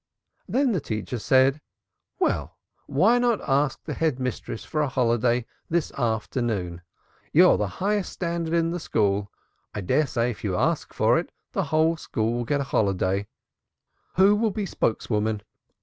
Then teacher said: 'Well, why not ask the Head Mistress for a holiday this afternoon? You're the highest standard in the school I dare say if you ask for it, the whole school will get a holiday. Who will be spokes woman?'